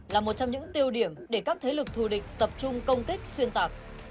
là một trong những tiêu điểm để các thế lực thù địch tập trung công kích xuyên tạc